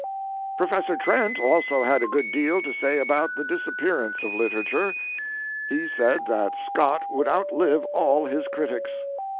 Professor Trent also had a good deal to say about the disappearance of literature. He said that Scott would outlive all his critics.